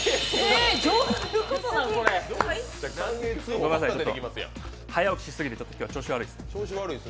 ごめんなさい、ちょっと早起きしすぎて調子悪いです。